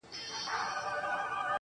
o تامي د خوښۍ سترگي راوباسلې مړې دي كړې.